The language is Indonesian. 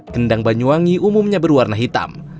kendang banyuwangi umumnya berwarna hitam